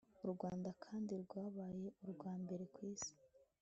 u rwanda kandi rwabaye urwa mbere ku isi